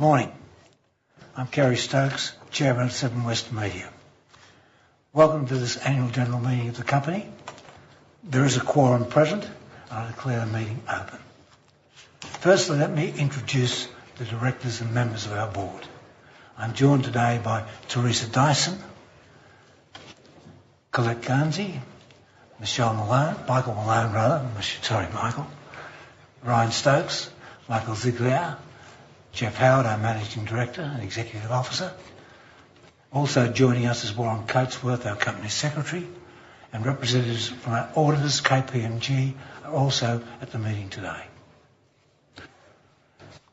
Good morning. I'm Kerry Stokes, Chairman of Seven West Media. Welcome to this annual general meeting of the company. There is a quorum present, and I declare the meeting open. Firstly, let me introduce the directors and members of our board. I'm joined today by Teresa Dyson, Colette Garnsey, Michelle Malone, Michael Malone, rather, sorry, Michael, Ryan Stokes, Michael Ziegelaar, Jeff Howard, our Managing Director and Chief Executive Officer. Also joining us is Warren Coatsworth, our Company Secretary, and representatives from our auditors, KPMG, are also at the meeting today.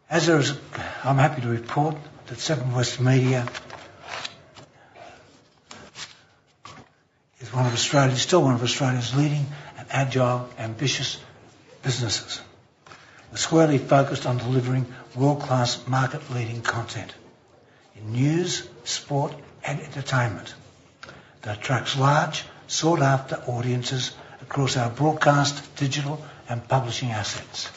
As a result, I'm happy to report that Seven West Media is still one of Australia's leading and agile, ambitious businesses, squarely focused on delivering world-class market-leading content in news, sport, and entertainment that attracts large, sought-after audiences across our broadcast, digital, and publishing assets.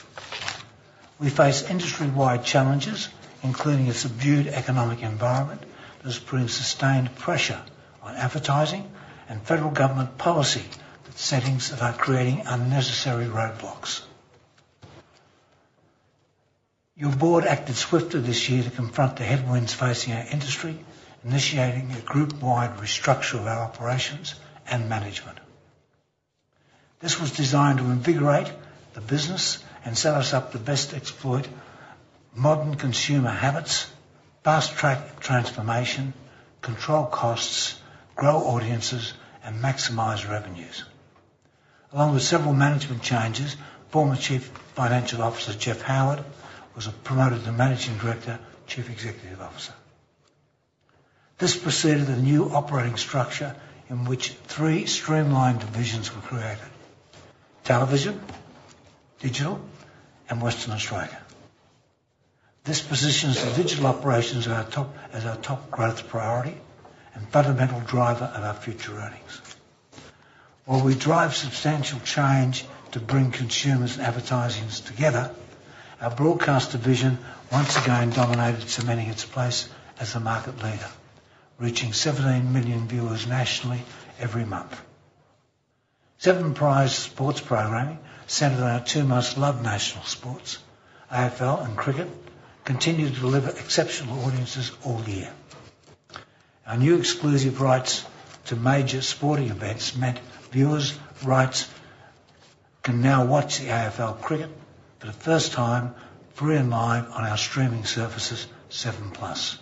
We face industry-wide challenges, including a subdued economic environment that is putting sustained pressure on advertising and federal government policy that are creating unnecessary roadblocks. Your board acted swiftly this year to confront the headwinds facing our industry, initiating a group-wide restructuring of our operations and management. This was designed to invigorate the business and set us up to best exploit modern consumer habits, fast-track transformation, control costs, grow audiences, and maximize revenues. Along with several management changes, former Chief Financial Officer Jeff Howard was promoted to Managing Director, Chief Executive Officer. This preceded a new operating structure in which three streamlined divisions were created: television, digital, and Western Australia. This positions the digital operations as our top growth priority and fundamental driver of our future earnings. While we drive substantial change to bring consumers and advertisers together, our broadcast division once again dominated, cementing its place as a market leader, reaching 17 million viewers nationally every month. Seven's prized sports program, centered on our two most loved national sports, AFL and cricket, continued to deliver exceptional audiences all year. Our new exclusive rights to major sporting events meant viewers can now watch the AFL and cricket for the first time free and live on our streaming services, 7plus,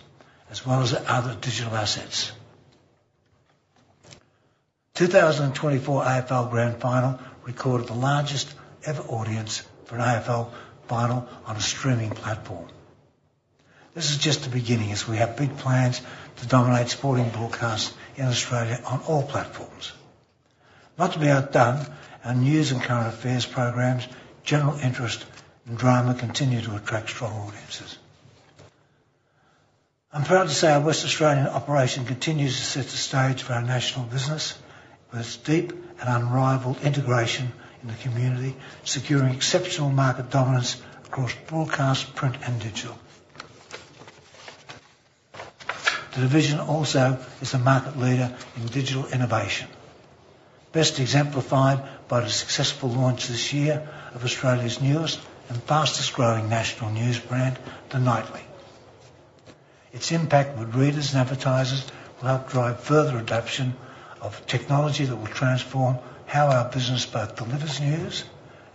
as well as other digital assets. The 2024 AFL Grand Final recorded the largest ever audience for an AFL final on a streaming platform. This is just the beginning as we have big plans to dominate sporting broadcasts in Australia on all platforms. Moving beyond that, our news and current affairs programs, general interest, and drama continue to attract strong audiences. I'm proud to say our West Australian operation continues to set the stage for our national business with its deep and unrivaled integration in the community, securing exceptional market dominance across broadcast, print, and digital. The division also is a market leader in digital innovation, best exemplified by the successful launch this year of Australia's newest and fastest-growing national news brand, The Nightly. Its impact with readers and advertisers will help drive further adoption of technology that will transform how our business both delivers news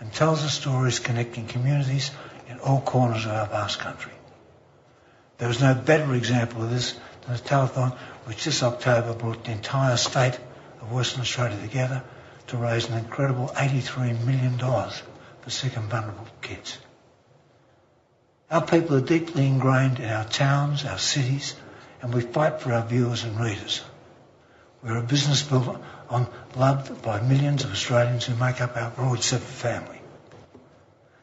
and tells the stories, connecting communities in all corners of our vast country. There is no better example of this than the telethon which this October brought the entire state of Western Australia together to raise an incredible 83 million dollars for sick and vulnerable kids. Our people are deeply ingrained in our towns, our cities, and we fight for our viewers and readers. We are a business built on love by millions of Australians who make up our broader family.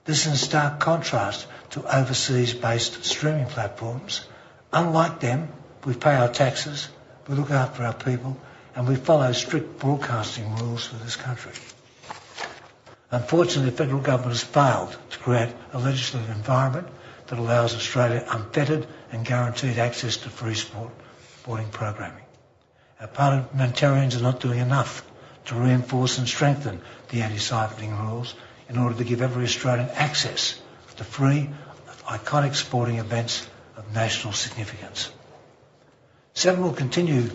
This is in stark contrast to overseas-based streaming platforms. Unlike them, we pay our taxes, we look after our people, and we follow strict broadcasting rules for this country. Unfortunately, the federal government has failed to create a legislative environment that allows Australia unfettered and guaranteed access to free sports broadcasting programming. Our parliamentarians are not doing enough to reinforce and strengthen the anti-siphoning rules in order to give every Australian access to free iconic sporting events of national significance. Seven will continue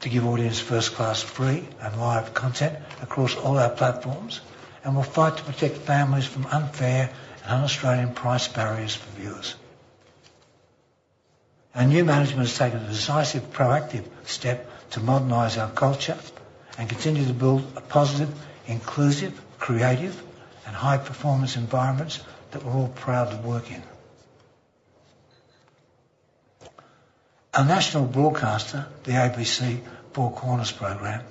to give audiences first-class free and live content across all our platforms and will fight to protect families from unfair and un-Australian price barriers for viewers. Our new management has taken a decisive proactive step to modernize our culture and continue to build a positive, inclusive, creative, and high-performance environment that we're all proud to work in. Our national broadcaster, the ABC Four Corners program,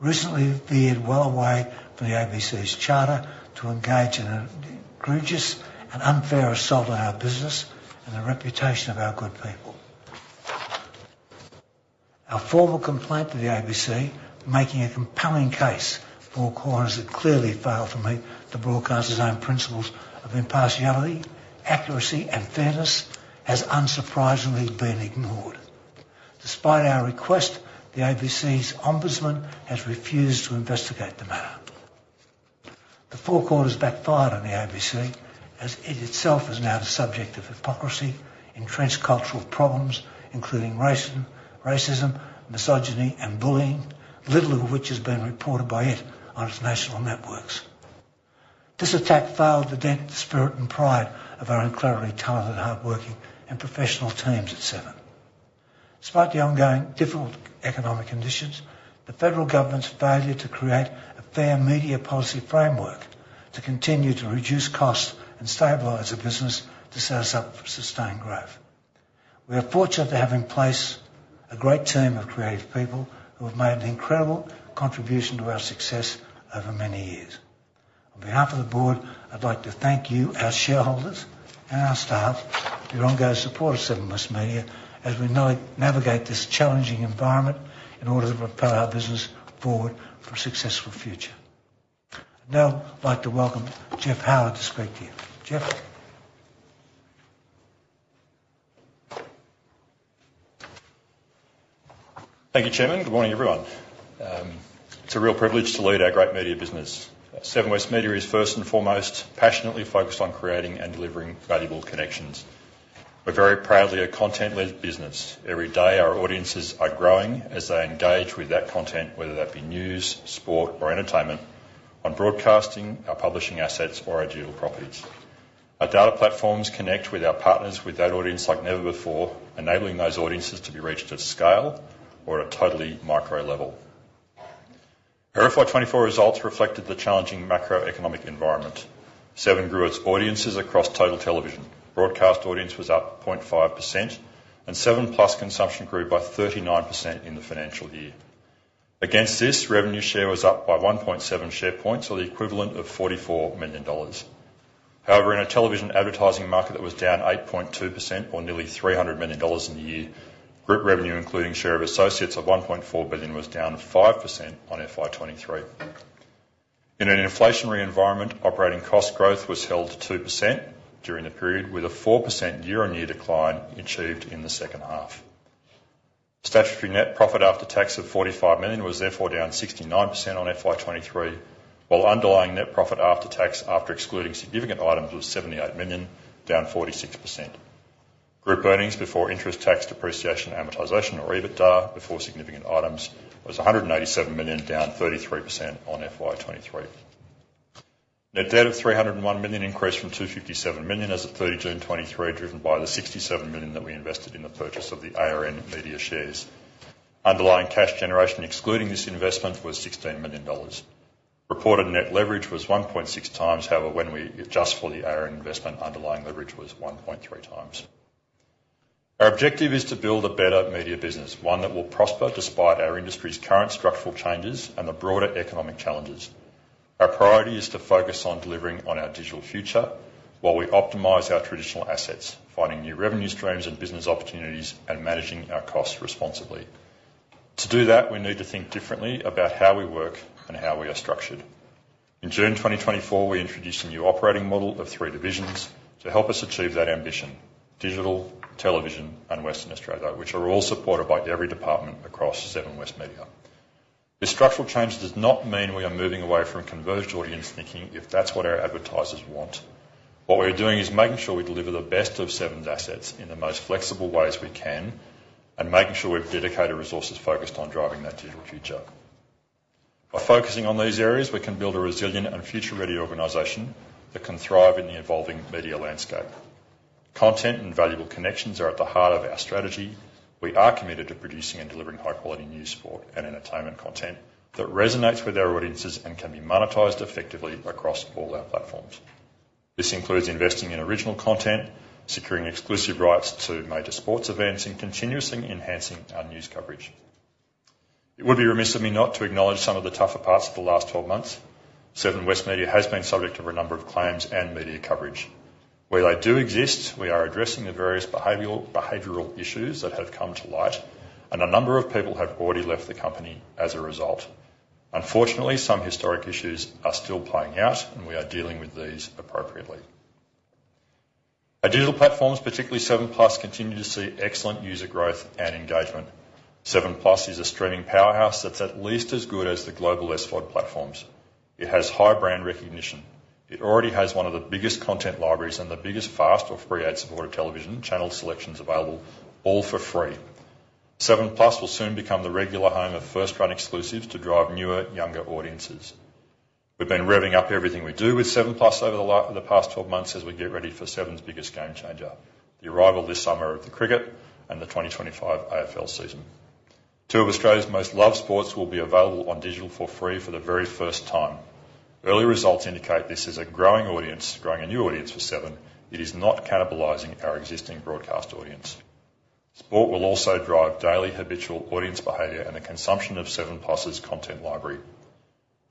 recently veered well away from the ABC's charter to engage in an egregious and unfair assault on our business and the reputation of our good people. Our formal complaint to the ABC, making a compelling case that Four Corners clearly fails to broadcast its own principles of impartiality, accuracy, and fairness, has unsurprisingly been ignored. Despite our request, the ABC's ombudsman has refused to investigate the matter. The Four Corners backfired on the ABC as it itself is now the subject of hypocrisy, entrenched cultural problems including racism, misogyny, and bullying, little of which has been reported by it on its national networks. This attack failed to dent the spirit and pride of our incredibly talented, hardworking, and professional teams at Seven. Despite the ongoing difficult economic conditions, the federal government's failure to create a fair media policy framework to continue to reduce costs and stabilize the business to set us up for sustained growth. We are fortunate to have in place a great team of creative people who have made an incredible contribution to our success over many years. On behalf of the board, I'd like to thank you, our shareholders, and our staff for your ongoing support of Seven West Media as we navigate this challenging environment in order to propel our business forward for a successful future. I'd now like to welcome Jeff Howard to speak to you. Jeff. Thank you, Chairman. Good morning, everyone. It's a real privilege to lead our great media business. Seven West Media is first and foremost passionately focused on creating and delivering valuable connections. We're very proudly a content-led business. Every day, our audiences are growing as they engage with that content, whether that be news, sport, or entertainment, on broadcasting, our publishing assets, or our digital properties. Our data platforms connect with our partners with that audience like never before, enabling those audiences to be reached at scale or at a totally micro level. FY 2024 results reflected the challenging macroeconomic environment. Seven grew its audiences across total television. Broadcast audience was up 0.5%, and 7plus consumption grew by 39% in the financial year. Against this, revenue share was up by 1.7 share points or the equivalent of 44 million dollars. However, in a television advertising market that was down 8.2% or nearly 300 million dollars in the year, group revenue, including share of associates, of 1.4 billion was down 5% on FY23. In an inflationary environment, operating cost growth was held to 2% during the period, with a 4% year-on-year decline achieved in the second half. Statutory net profit after tax of 45 million was therefore down 69% on FY 2023, while underlying net profit after tax, after excluding significant items, was 78 million, down 46%. Group earnings before interest tax depreciation amortization, or EBITDA before significant items, was AUD 187 million, down 33% on FY 2023. Net debt of AUD 301 million increased from AUD 257 million as of June 30 2023, driven by the AUD 67 million that we invested in the purchase of the ARN Media shares. Underlying cash generation excluding this investment was 16 million dollars. Reported net leverage was 1.6x. However, when we adjust for the ARN investment, underlying leverage was 1.3x. Our objective is to build a better media business, one that will prosper despite our industry's current structural changes and the broader economic challenges. Our priority is to focus on delivering on our digital future while we optimize our traditional assets, finding new revenue streams and business opportunities, and managing our costs responsibly. To do that, we need to think differently about how we work and how we are structured. In June 2024, we introduced a new operating model of three divisions to help us achieve that ambition: digital, television, and Western Australia, which are all supported by every department across Seven West Media. This structural change does not mean we are moving away from converged audience thinking if that's what our advertisers want. What we are doing is making sure we deliver the best of Seven's assets in the most flexible ways we can and making sure we've dedicated resources focused on driving that digital future. By focusing on these areas, we can build a resilient and future-ready organization that can thrive in the evolving media landscape. Content and valuable connections are at the heart of our strategy. We are committed to producing and delivering high-quality news, sport, and entertainment content that resonates with our audiences and can be monetized effectively across all our platforms. This includes investing in original content, securing exclusive rights to major sports events, and continuously enhancing our news coverage. It would be remiss of me not to acknowledge some of the tougher parts of the last 12 months. Seven West Media has been subject to a number of claims and media coverage. While they do exist, we are addressing the various behavioral issues that have come to light, and a number of people have already left the company as a result. Unfortunately, some historic issues are still playing out, and we are dealing with these appropriately. Our digital platforms, particularly 7plus, continue to see excellent user growth and engagement. 7plus is a streaming powerhouse that's at least as good as the global SVOD platforms. It has high brand recognition. It already has one of the biggest content libraries and the biggest FAST or free ad-supported television channel selections available, all for free. 7plus will soon become the regular home of first-run exclusives to drive newer, younger audiences. We've been revving up everything we do with 7plus over the past 12 months as we get ready for Seven's biggest game changer, the arrival this summer of the cricket and the 2025 AFL season. Two of Australia's most loved sports will be available on digital for free for the very first time. Early results indicate this is a growing audience, growing a new audience for Seven. It is not cannibalizing our existing broadcast audience. Sport will also drive daily habitual audience behavior and the consumption of 7plus's content library.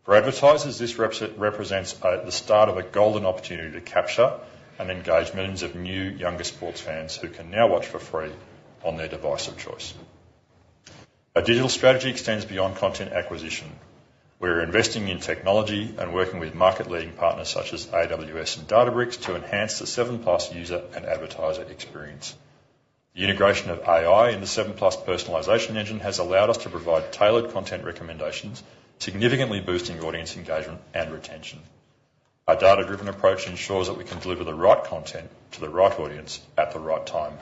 For advertisers, this represents the start of a golden opportunity to capture and engage millions of new, younger sports fans who can now watch for free on their device of choice. Our digital strategy extends beyond content acquisition. We are investing in technology and working with market-leading partners such as AWS and Databricks to enhance the 7plus user and advertiser experience. The integration of AI in the 7plus personalization engine has allowed us to provide tailored content recommendations, significantly boosting audience engagement and retention. Our data-driven approach ensures that we can deliver the right content to the right audience at the right time,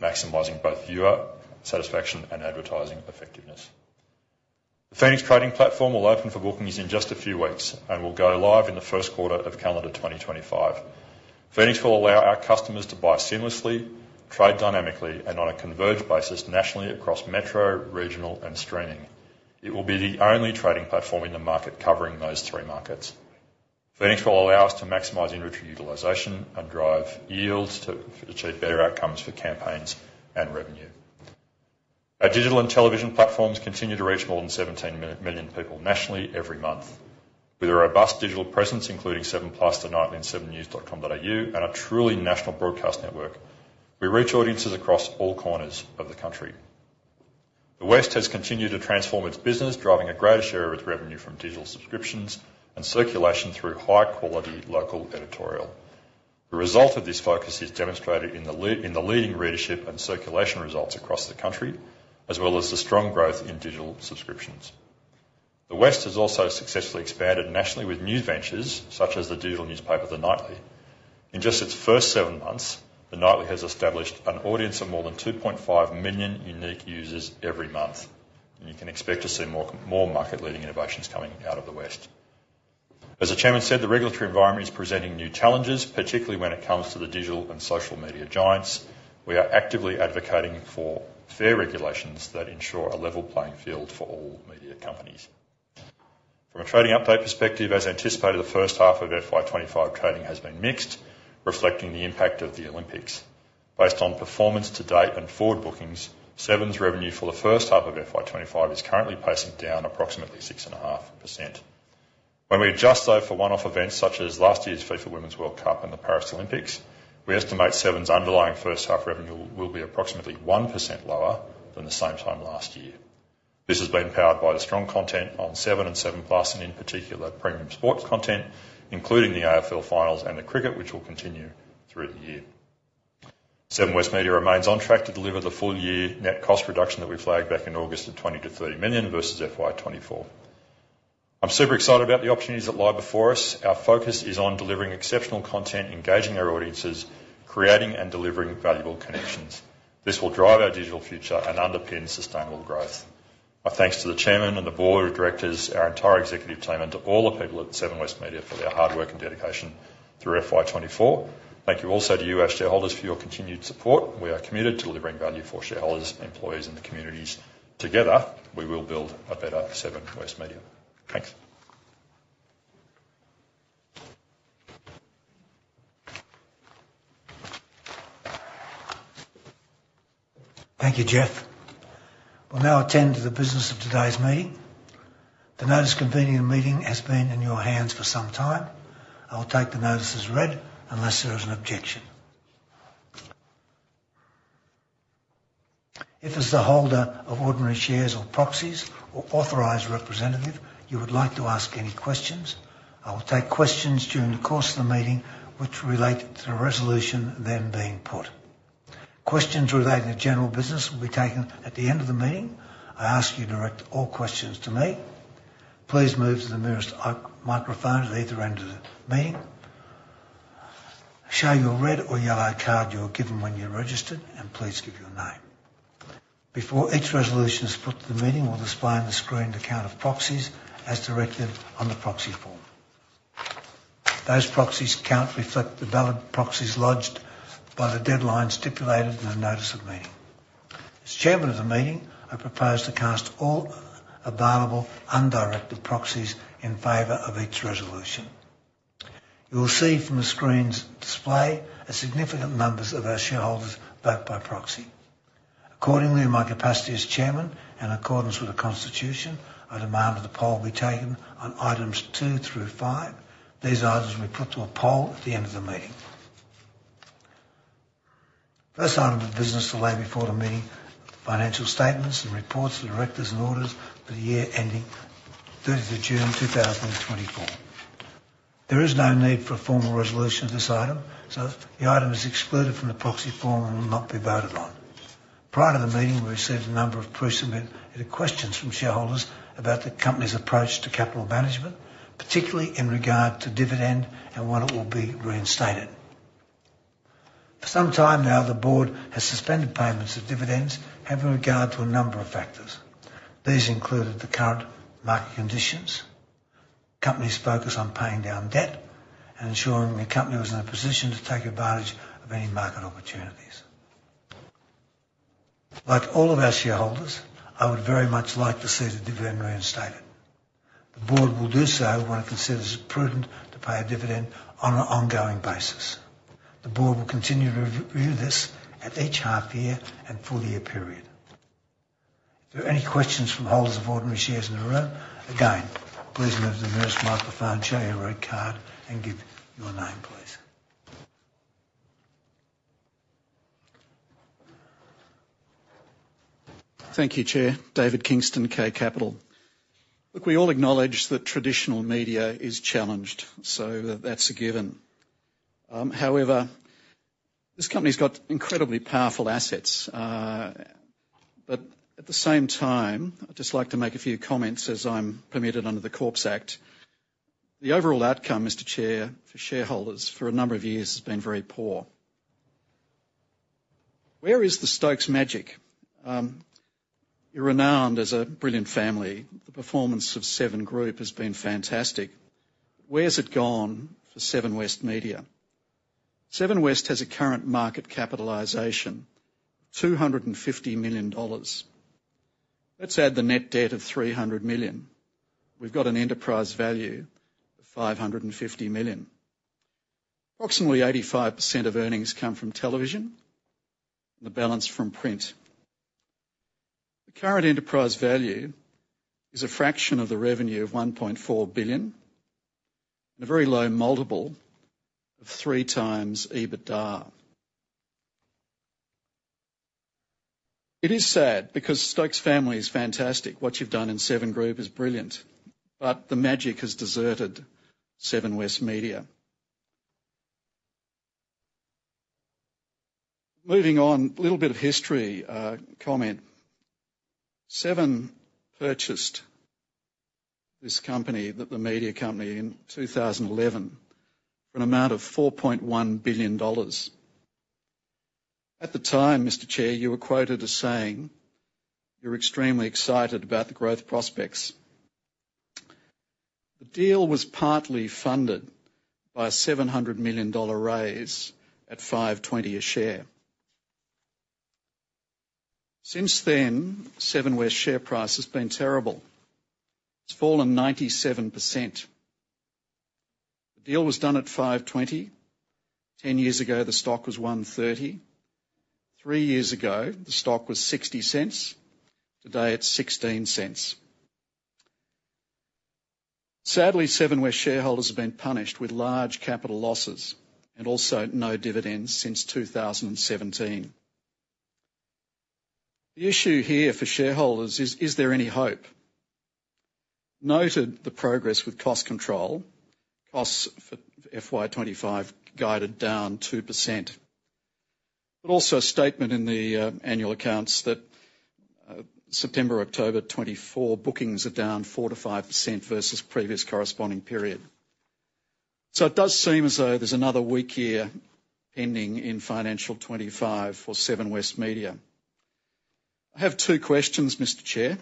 maximizing both viewer satisfaction and advertising effectiveness. The Phoenix trading platform will open for bookings in just a few weeks and will go live in the first quarter of calendar 2025. Phoenix will allow our customers to buy seamlessly, trade dynamically, and on a converged basis nationally across metro, regional, and streaming. It will be the only trading platform in the market covering those three markets. Phoenix will allow us to maximize inventory utilization and drive yields to achieve better outcomes for campaigns and revenue. Our digital and television platforms continue to reach more than 17 million people nationally every month. With a robust digital presence, including 7plus, The Nightly, and 7NEWS.com.au, and a truly national broadcast network, we reach audiences across all corners of the country. The West has continued to transform its business, driving a greater share of its revenue from digital subscriptions and circulation through high-quality local editorial. The result of this focus is demonstrated in the leading readership and circulation results across the country, as well as the strong growth in digital subscriptions. The West has also successfully expanded nationally with new ventures such as the digital newspaper, The Nightly. In just its first seven months, The Nightly has established an audience of more than 2.5 million unique users every month, and you can expect to see more market-leading innovations coming out of the West. As the Chairman said, the regulatory environment is presenting new challenges, particularly when it comes to the digital and social media giants. We are actively advocating for fair regulations that ensure a level playing field for all media companies. From a trading update perspective, as anticipated, the first half of FY 2025 trading has been mixed, reflecting the impact of the Olympics. Based on performance to date and forward bookings, Seven's revenue for the first half of FY 2025 is currently pacing down approximately 6.5%. When we adjust, though, for one-off events such as last year's FIFA Women's World Cup and the Paris Olympics, we estimate Seven's underlying first-half revenue will be approximately 1% lower than the same time last year. This has been powered by the strong content on Seven and 7plus, and in particular, premium sports content, including the AFL finals and the cricket, which will continue through the year. Seven West Media remains on track to deliver the full-year net cost reduction that we flagged back in August of 20-30 million versus FY 2024. I'm super excited about the opportunities that lie before us. Our focus is on delivering exceptional content, engaging our audiences, creating and delivering valuable connections. This will drive our digital future and underpin sustainable growth. My thanks to the Chairman and the Board of Directors, our entire executive team, and to all the people at Seven West Media for their hard work and dedication through FY 2024. Thank you also to you, our shareholders, for your continued support. We are committed to delivering value for shareholders, employees, and the communities. Together, we will build a better Seven West Media. Thanks. Thank you Jeff. We'll now attend to the business of today's meeting. The notice convening the meeting has been in your hands for some time. I'll take the notice as read unless there is an objection. If as the holder of ordinary shares or proxies or authorized representative, you would like to ask any questions, I will take questions during the course of the meeting which relate to the resolution then being put. Questions relating to general business will be taken at the end of the meeting. I ask you to direct all questions to me. Please move to the nearest microphone at either end of the meeting. Show your red or yellow card you were given when you registered, and please give your name. Before each resolution is put to the meeting, we'll display on the screen the count of proxies as directed on the proxy form. Those proxy counts reflect the valid proxies lodged by the deadline stipulated in the notice of meeting. As Chairman of the meeting, I propose to cast all available undirected proxies in favor of each resolution. You will see from the screen's display a significant number of our shareholders vote by proxy. Accordingly, in my capacity as Chairman and in accordance with the Constitution, I demand that the poll be taken on items two through five. These items will be put to a poll at the end of the meeting. First item of business to lay before the meeting are financial statements and reports to directors and auditors for the year ending 30th of June 2024. There is no need for a formal resolution of this item, so the item is excluded from the proxy form and will not be voted on. Prior to the meeting, we received a number of questions from shareholders about the company's approach to capital management, particularly in regard to dividend and when it will be reinstated. For some time now, the board has suspended payments of dividends having regard to a number of factors. These included the current market conditions, companies' focus on paying down debt, and ensuring the company was in a position to take advantage of any market opportunities. Like all of our shareholders, I would very much like to see the dividend reinstated. The board will do so when it considers it prudent to pay a dividend on an ongoing basis. The board will continue to review this at each half-year and full-year period. If there are any questions from holders of ordinary shares in the room, again, please move to the nearest microphone and show your red card and give your name, please. Thank you, Chair. David Kingston, K Capital. Look, we all acknowledge that traditional media is challenged, so that's a given. However, this company's got incredibly powerful assets. But at the same time, I'd just like to make a few comments as I'm permitted under the Corps Act. The overall outcome, Mr. Chair, for shareholders for a number of years has been very poor. Where is the Stokes magic? You're renowned as a brilliant family. The performance of Seven Group has been fantastic. Where's it gone for Seven West Media? Seven West has a current market capitalization of 250 million dollars. Let's add the net debt of 300 million. We've got an enterprise value of 550 million. Approximately 85% of earnings come from television and the balance from print. The current enterprise value is a fraction of the revenue of 1.4 billion and a very low multiple of three times EBITDA. It is sad because Stokes family is fantastic. What you've done in Seven Group is brilliant, but the magic has deserted Seven West Media. Moving on, a little bit of history comment. Seven purchased this company, the media company, in 2011 for an amount of 4.1 billion dollars. At the time, Mr. Chair, you were quoted as saying you were extremely excited about the growth prospects. The deal was partly funded by a 700 million dollar raise at 5.20 a share. Since then, Seven West's share price has been terrible. It's fallen 97%. The deal was done at 5.20. Ten years ago, the stock was 1.30. Three years ago, the stock was 0.60. Today, it's 0.16. Sadly, Seven West shareholders have been punished with large capital losses and also no dividends since 2017. The issue here for shareholders is, is there any hope? Noted the progress with cost control, costs for FY 2025 guided down 2%, but also a statement in the annual accounts that September, October 2024 bookings are down 4%-5% versus the previous corresponding period. So it does seem as though there's another weak year pending in financial 2025 for Seven West Media. I have two questions, Mr. Chair.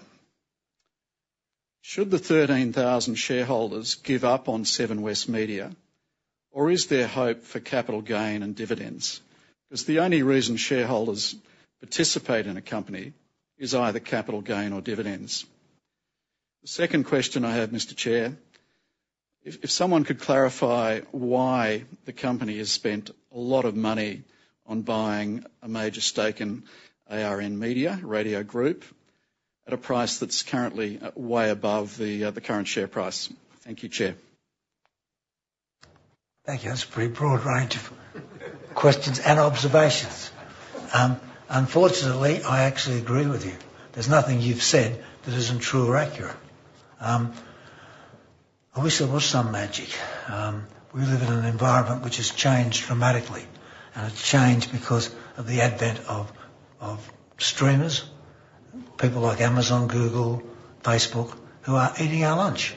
Should the 13,000 shareholders give up on Seven West Media, or is there hope for capital gain and dividends? Because the only reason shareholders participate in a company is either capital gain or dividends. The second question I have, Mr. Chair, if someone could clarify why the company has spent a lot of money on buying a major stake in ARN Media, Radio Group, at a price that's currently way above the current share price. Thank you, Chair. Thank you. That's a pretty broad range of questions and observations. Unfortunately, I actually agree with you. There's nothing you've said that isn't true or accurate. I wish there was some magic. We live in an environment which has changed dramatically, and it's changed because of the advent of streamers, people like Amazon, Google, Facebook, who are eating our lunch.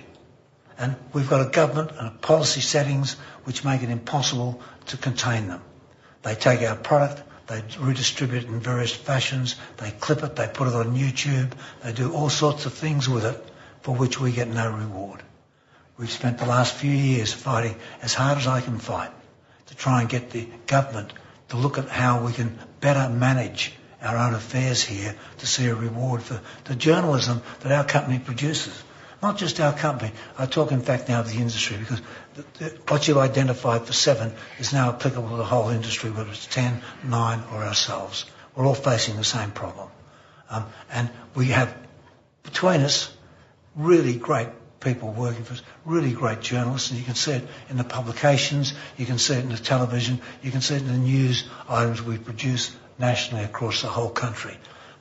And we've got a government and policy settings which make it impossible to contain them. They take our product, they redistribute it in various fashions, they clip it, they put it on YouTube, they do all sorts of things with it for which we get no reward. We've spent the last few years fighting as hard as I can fight to try and get the government to look at how we can better manage our own affairs here to see a reward for the journalism that our company produces, not just our company. I talk, in fact, now of the industry because what you've identified for Seven is now applicable to the whole industry, whether it's Ten, Nine or ourselves. We're all facing the same problem. And we have between us really great people working for us, really great journalists, and you can see it in the publications, you can see it in the television, you can see it in the news items we produce nationally across the whole country.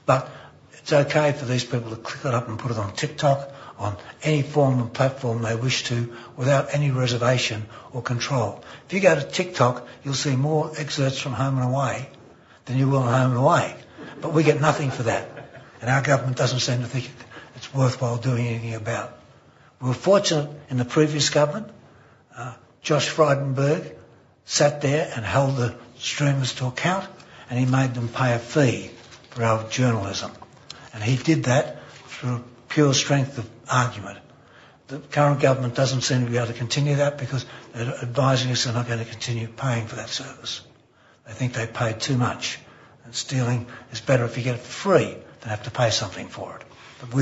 But it's okay for these people to click it up and put it on TikTok, on any form of platform they wish to, without any reservation or control. If you go to TikTok, you'll see more excerpts from Home and Away than you will on Home and Away, but we get nothing for that, and our government doesn't seem to think it's worthwhile doing anything about. We were fortunate in the previous government. Josh Frydenberg sat there and held the streamers to account, and he made them pay a fee for our journalism. And he did that through pure strength of argument. The current government doesn't seem to be able to continue that because they're advising us they're not going to continue paying for that service. They think they pay too much, and stealing is better if you get it free than have to pay something for it. But,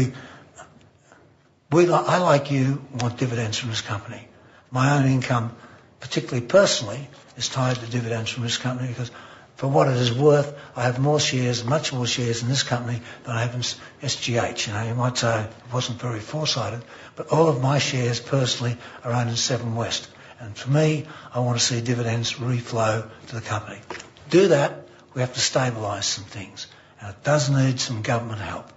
like you, I want dividends from this company. My own income, particularly personally, is tied to dividends from this company because for what it is worth, I have more shares, much more shares in this company than I have in SGH. You might say I wasn't very foresighted, but all of my shares personally are owned in Seven West. And for me, I want to see dividends reflow to the company. To do that, we have to stabilize some things, and it does need some government help.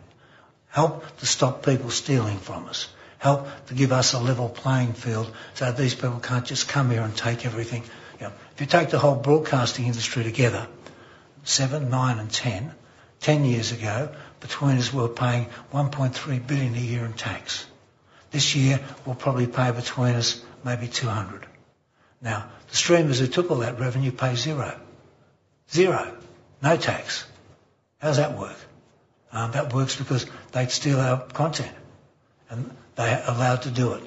Help to stop people stealing from us. Help to give us a level playing field so these people can't just come here and take everything. If you take the whole broadcasting industry together, Seven, nine, and ten, ten years ago, between us were paying 1.3 billion a year in tax. This year, we'll probably pay between us maybe 200 million. Now, the streamers who took all that revenue pay zero. Zero. No tax. How does that work? That works because they'd steal our content, and they are allowed to do it.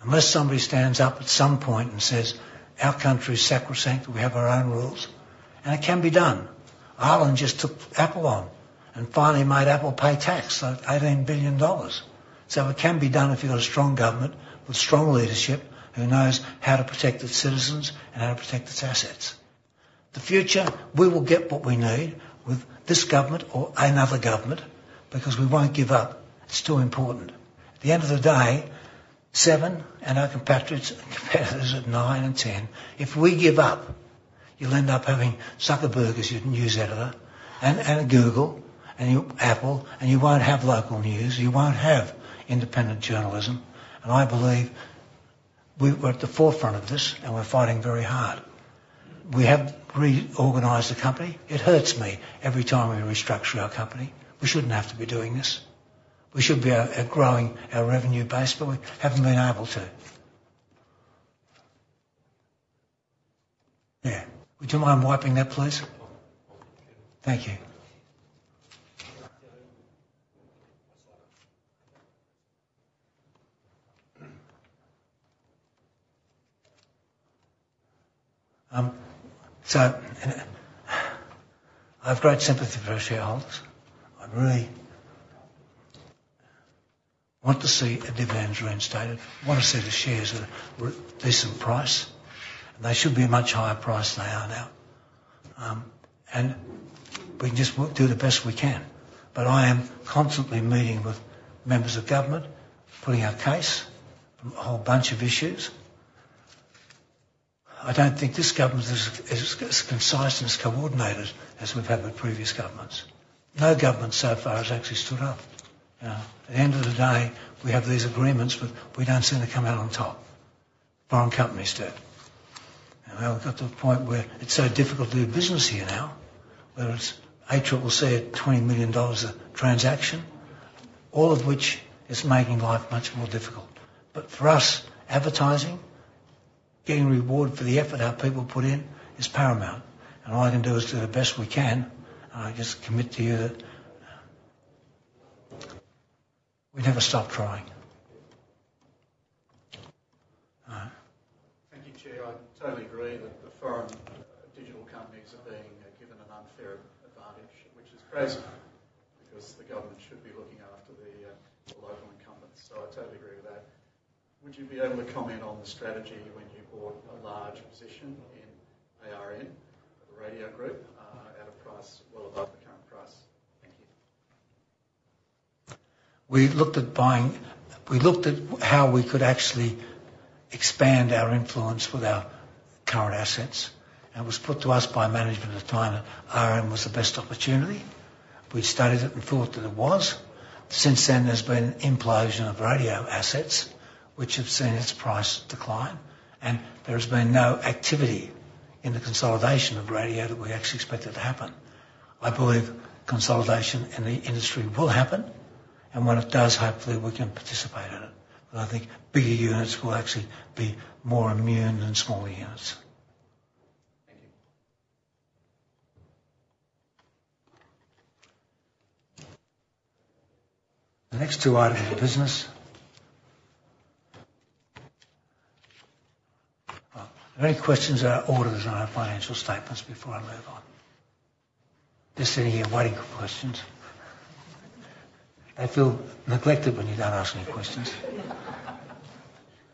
Unless somebody stands up at some point and says, "Our country is sacrosanct, we have our own rules," and it can be done. Ireland just took Apple on and finally made Apple pay tax of $18 billion. So it can be done if you've got a strong government with strong leadership who knows how to protect its citizens and how to protect its assets. The future, we will get what we need with this government or another government because we won't give up. It's too important. At the end of the day, Seven and our competitors at NINE and TEN, if we give up, you'll end up having Zuckerberg as your news editor and Google and Apple, and you won't have local news, you won't have independent journalism, and I believe we were at the forefront of this, and we're fighting very hard. We have reorganized the company. It hurts me every time we restructure our company. We shouldn't have to be doing this. We should be growing our revenue base, but we haven't been able to. Yeah. Would you mind wiping that, please? Thank you, so I have great sympathy for our shareholders. I really want to see dividends reinstated. I want to see the shares at a decent price. They should be a much higher price than they are now, and we can just do the best we can. But I am constantly meeting with members of government, putting our case from a whole bunch of issues. I don't think this government is as concise and as coordinated as we've had with previous governments. No government so far has actually stood up. At the end of the day, we have these agreements, but we don't seem to come out on top. Foreign companies do. And we've got to a point where it's so difficult to do business here now, whether it's ACCC at 20 million dollars a transaction, all of which is making life much more difficult. But for us, advertising, getting reward for the effort our people put in is paramount. And all I can do is do the best we can, and I just commit to you that we never stop trying. Thank you, Chair. I totally agree that the foreign digital companies are being given an unfair advantage, which is crazy because the government should be looking after the local incumbents. So I totally agree with that. Would you be able to comment on the strategy when you bought a large position in ARN, Radio Group, at a price well above the current price? Thank you. We looked at how we could actually expand our influence with our current assets, and it was put to us by management at the time that ARN was the best opportunity. We studied it and thought that it was. Since then, there's been an implosion of radio assets, which have seen its price decline, and there has been no activity in the consolidation of radio that we actually expected to happen. I believe consolidation in the industry will happen, and when it does, hopefully we can participate in it, but I think bigger units will actually be more immune than smaller units. Thank you. The next two items are business. Any questions about auditors and our financial statements before I move on? They're sitting here waiting for questions. They feel neglected when you don't ask any questions.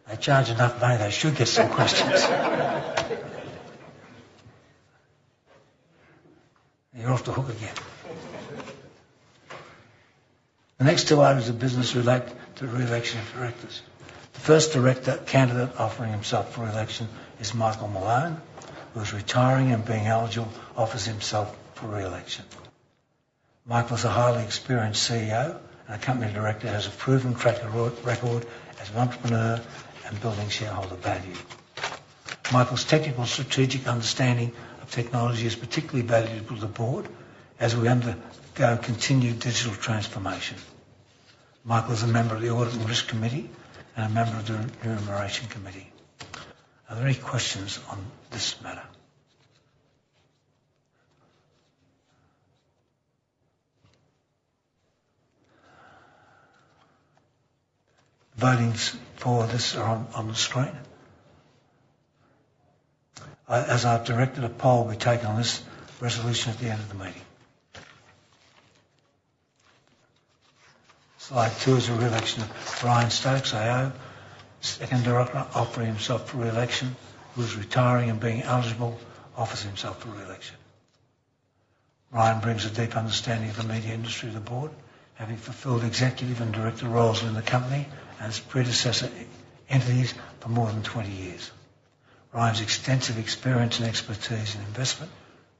They charge enough money they should get some questions. You're off the hook again. The next two items are business related to reelection of directors. The first director candidate offering himself for reelection is Michael Malone, who is retiring and being eligible, offers himself for reelection. Michael's a highly experienced CEO, and a company director has a proven track record as an entrepreneur and building shareholder value. Michael's technical and strategic understanding of technology is particularly valuable to the board as we undergo continued digital transformation. Michael's a member of the Audit and Risk Committee and a member of the Nomination Committee. Are there any questions on this matter? Voting for this are on the screen. As our director, a poll will be taken on this resolution at the end of the meeting. Slide two is a reelection of Ryan Stokes, AO. Second director offering himself for reelection, who's retiring and being eligible, offers himself for reelection. Ryan brings a deep understanding of the media industry to the board, having fulfilled executive and director roles in the company and his predecessor entities for more than 20 years. Ryan's extensive experience and expertise in investment,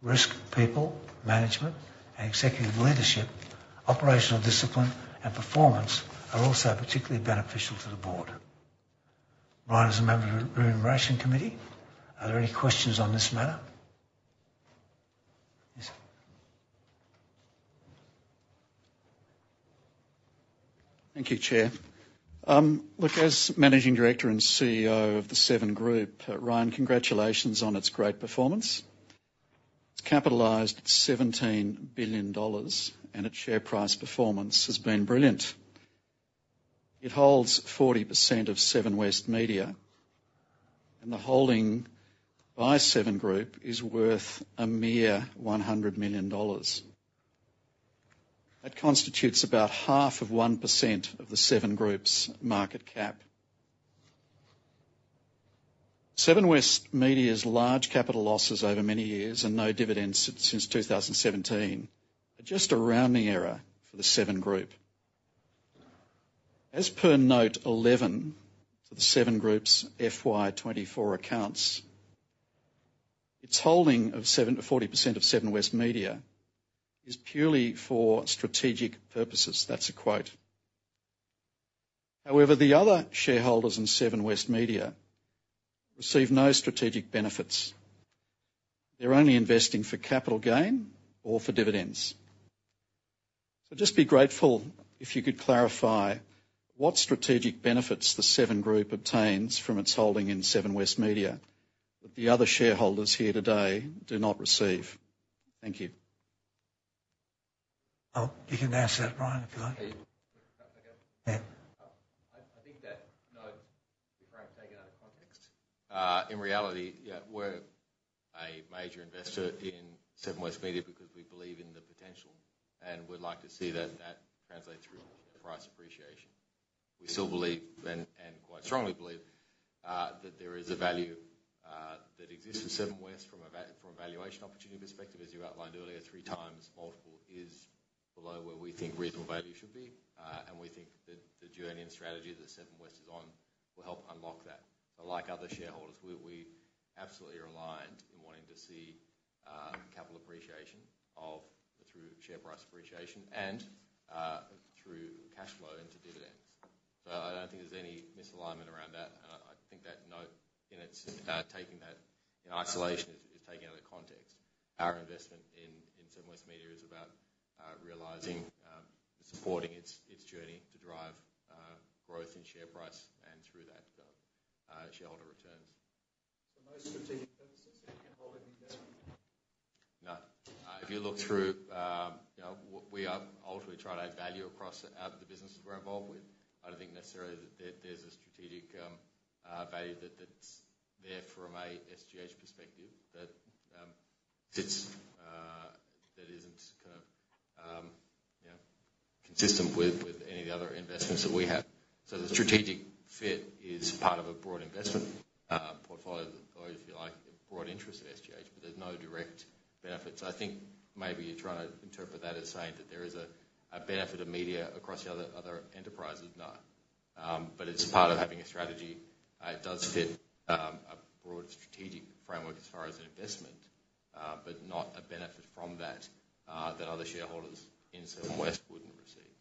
risk, people, management, and executive leadership, operational discipline, and performance are also particularly beneficial to the board. Ryan is a member of the Nomination Committee. Are there any questions on this matter? Yes. Thank you, Chair. Look, as Managing Director and CEO of the Seven Group, Ryan, congratulations on its great performance. It's capitalized AUD 17 billion, and its share price performance has been brilliant. It holds 40% of Seven West Media, and the holding by Seven Group is worth a mere 100 million dollars. That constitutes about half of 1% of the Seven Group's market cap. Seven West Media's large capital losses over many years and no dividends since 2017 are just a rounding error for the Seven Group. As per note 11 to the Seven Group's FY 2024 accounts, its holding of 40% of Seven West Media is purely for strategic purposes. That's a quote. However, the other shareholders in Seven West Media receive no strategic benefits. They're only investing for capital gain or for dividends. So just be grateful if you could clarify what strategic benefits the Seven Group obtains from its holding in Seven West Media that the other shareholders here today do not receive. Thank you. Oh, you can answer that, Ryan, if you like. I think that note is very taken out of context. In reality, yeah, we're a major investor in Seven West Media because we believe in the potential, and we'd like to see that that translates through price appreciation. We still believe, and quite strongly believe, that there is a value that exists for Seven West from a valuation opportunity perspective. As you outlined earlier, three times multiple is below where we think reasonable value should be, and we think that the journey and strategy that Seven West is on will help unlock that. So like other shareholders, we're absolutely aligned in wanting to see capital appreciation through share price appreciation and through cash flow into dividends. So I don't think there's any misalignment around that, and I think that note in itself, taking that in isolation, is taking out of context. Our investment in Seven West Media is about realizing and supporting its journey to drive growth in share price and through that shareholder returns. So no strategic purposes in holding dividends? No. If you look through what we ultimately try to add value across the businesses we're involved with, I don't think necessarily that there's a strategic value that's there from an SGH perspective that isn't kind of consistent with any of the other investments that we have. So the strategic fit is part of a broad investment portfolio, if you like, broad interest of SGH, but there's no direct benefit. So I think maybe you're trying to interpret that as saying that there is a benefit of media across the other enterprises. No. But as part of having a strategy, it does fit a broad strategic framework as far as an investment, but not a benefit from that that other shareholders in Seven West wouldn't receive.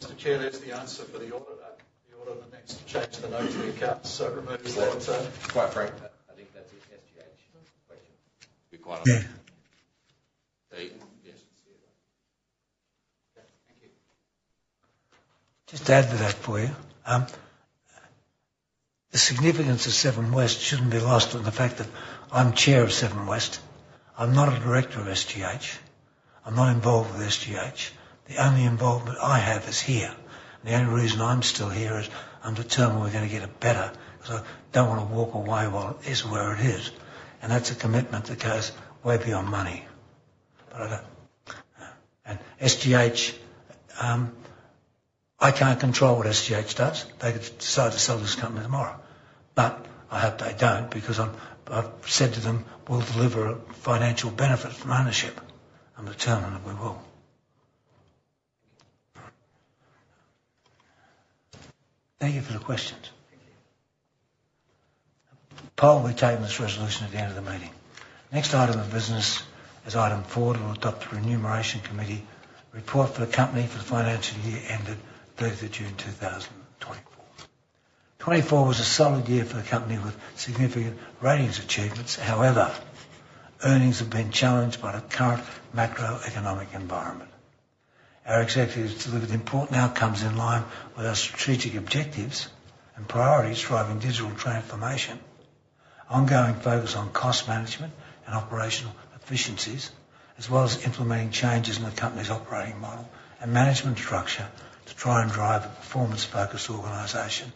Mr. Chair, there's the answer for the auditor. The auditor needs to change the note to the accounts, so it removes that. Quite frankly, I think that's an SGH question. Be quite honest. Yeah. Thank you. Just to add to that, boy, the significance of Seven West shouldn't be lost in the fact that I'm chair of Seven West. I'm not a director of SGH. I'm not involved with SGH. The only involvement I have is here. The only reason I'm still here is I'm determined we're going to get it better because I don't want to walk away while it is where it is, and that's a commitment that goes way beyond money, and SGH, I can't control what SGH does. They could decide to sell this company tomorrow, but I hope they don't because I've said to them, "We'll deliver a financial benefit from ownership." I'm determined that we will. Thank you for the questions. Thank you. poll will be taken on this resolution at the end of the meeting. Next item of business is item four. We'll adopt the Remuneration Committee report for the company for the financial year ended 30th of June 2024. 2024 was a solid year for the company with significant ratings achievements. However, earnings have been challenged by the current macroeconomic environment. Our executives delivered important outcomes in line with our strategic objectives and priorities driving digital transformation, ongoing focus on cost management and operational efficiencies, as well as implementing changes in the company's operating model and management structure to try and drive a performance-focused organization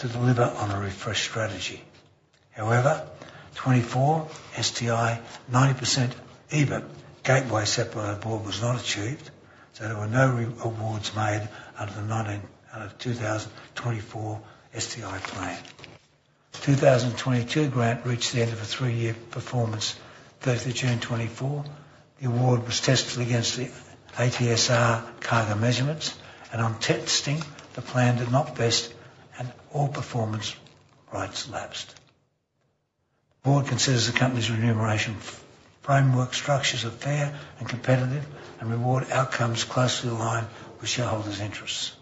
to deliver on a refreshed strategy. However, 2024 STI 90% EBIT gateway set by the board was not achieved, so there were no awards made under the 2024 STI plan. The 2022 grant reached the end of a three-year performance 30th of June 2024. The award was tested against the rTSR target measurements, and on testing, the plan did not vest, and all performance rights lapsed. The board considers the company's remuneration framework structures are fair and competitive, and reward outcomes closely aligned with shareholders' interests.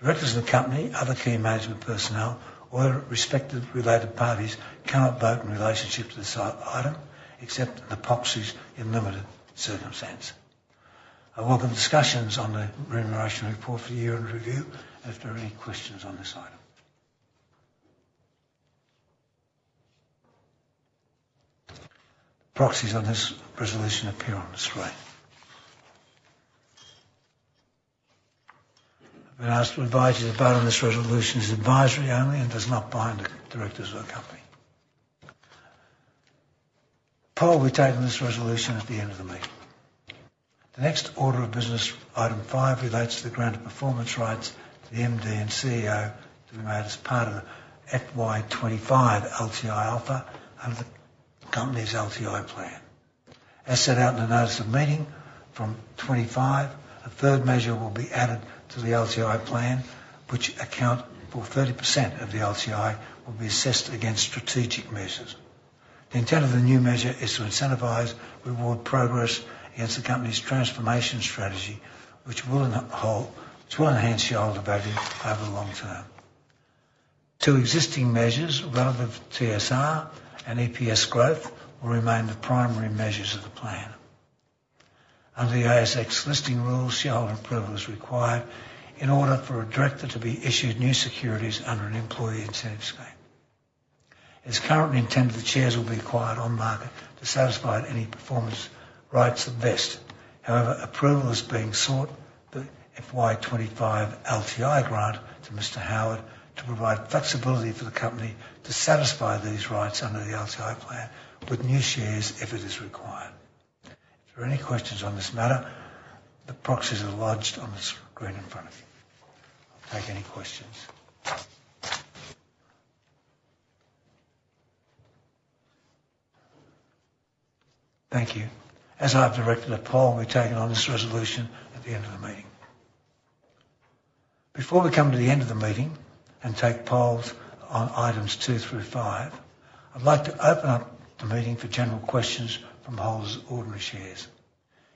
Directors of the company, other key management personnel, or closely related parties cannot vote in relation to this item except in the proxies in limited circumstances. I welcome discussions on the remuneration report for year-end review after any questions on this item. The proxies on this resolution appear on the screen. I've been asked to advise you the vote on this resolution is advisory only and does not bind the directors of the company. Poll will be taken on this resolution at the end of the meeting. The next order of business, item five, relates to the grant of performance rights to the MD and CEO to be made as part of the FY 2025 LTI offer under the company's LTI plan. As set out in the notice of meeting from FY 2025, a third measure will be added to the LTI plan, which account for 30% of the LTI will be assessed against strategic measures. The intent of the new measure is to incentivize reward progress against the company's transformation strategy, which will enhance shareholder value over the long term. Two existing measures relative to TSR and EPS growth will remain the primary measures of the plan. Under the ASX listing rules, shareholder approval is required in order for a director to be issued new securities under an employee incentive scheme. It is currently intended that shares will be acquired on market to satisfy any performance rights at best. However, approval is being sought for the FY 2025 LTI grant to Mr. Howard to provide flexibility for the company to satisfy these rights under the LTI plan with new shares if it is required. If there are any questions on this matter, the proxies are lodged on the screen in front of you. Take any questions. Thank you. As our director, the poll will be taken on this resolution at the end of the meeting. Before we come to the end of the meeting and take polls on items two through five, I'd like to open up the meeting for general questions from holders of ordinary shares.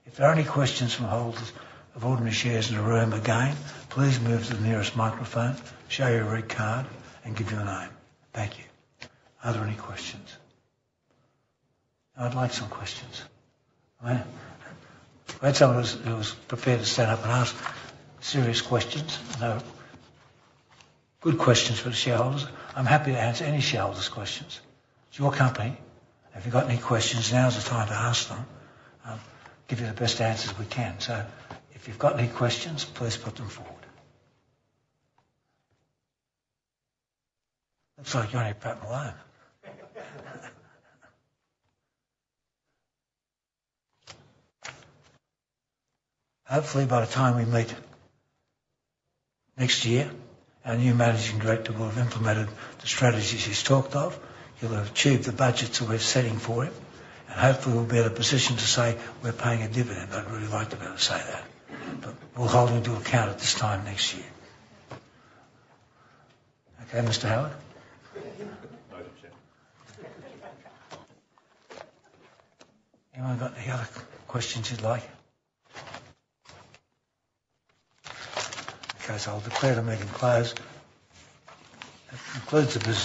If there are any questions from holders of ordinary shares in the room again, please move to the nearest microphone, show your red card, and give your name. Thank you. Are there any questions? I'd like some questions. I had someone who was prepared to stand up and ask serious questions. Good questions for the shareholders. I'm happy to answer any shareholders' questions. It's your company. If you've got any questions, now's the time to ask them. Give you the best answers we can. So if you've got any questions, please put them forward. Looks like you're only about to learn. Hopefully, by the time we meet next year, our new Managing Director will have implemented the strategies he's talked of. He'll have achieved the budgets that we're setting for him, and hopefully, he'll be in a position to say, "We're paying a dividend." I'd really like to be able to say that, but we'll hold him to account at this time next year. Okay, Mr. Howard? Thank you. Anyone got any other questions you'd like? Okay, so I'll declare the meeting closed. That concludes the.